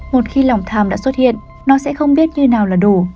một khi lòng tham đã xuất hiện nó sẽ không biết như nào là đủ